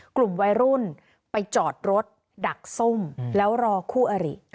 กลุ่มวัยรุ่นไปจอดรถดักส้มแล้วรอคู่อริ